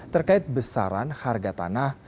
terkait besaran harga tanah